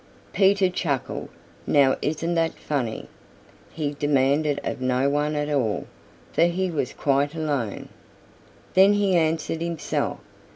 Peter chuckled. "Now isn't that funny?" he demanded of no one at all, for he was quite alone. Then he answered himself.